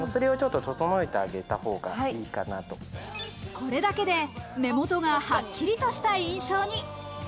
これだけで目元がはっきりとした印象に。